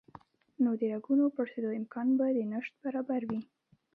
نو د رګونو پړسېدو امکان به د نشت برابر وي